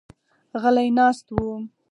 غلي ناست وو.